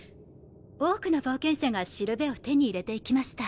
多くの冒険者が標を手に入れていきました。